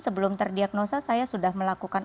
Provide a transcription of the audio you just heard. sebelum terdiagnosa saya sudah melakukan